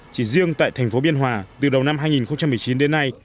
chỉ riêng tại thành phố biên hòa từ đầu năm hai nghìn một mươi chín đến nay